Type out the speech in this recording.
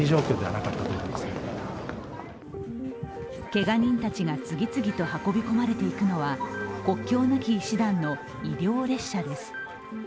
けが人たちが次々と運び込まれていくのは、国境なき医師団の医療列車です。